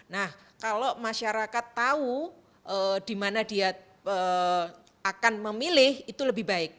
nah kalau masyarakat tahu di mana dia akan memilih itu lebih baik